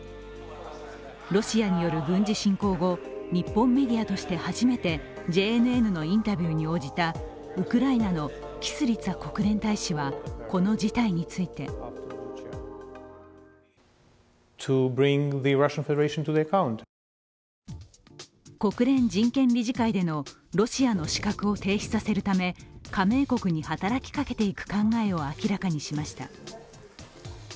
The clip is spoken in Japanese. ロシアによる軍事侵攻後、日本メディアとして初めてＪＮＮのインタビューに応じたウクライナのキスリツァ国連大使はこの事態について国連人権理事会でのロシアの資格を停止させるため、加盟国に働きかけていく考えを明らかにしました。